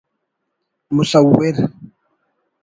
مصور